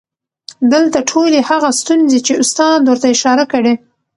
دلته ټولې هغه ستونزې چې استاد ورته اشاره کړى